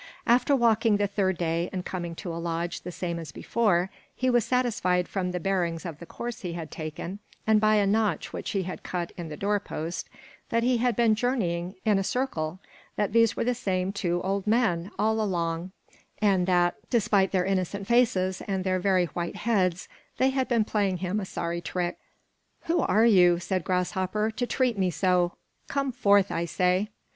After walking the third day and coming to a lodge the same as before, he was satisfied from the bearings of the course he had taken and by a notch which he had cut in the door post, that he had been journeying in a circle, that these were the same two old men, all along, and that, despite their innocent faces and their very white heads, they had been playing him a sorry trick. "Who are you," said Grasshopper, "to treat me so? Come forth, I say."